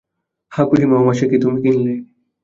-হ্যাঁ খুড়িমা, ওমা সেকি, তুমি কিনলে?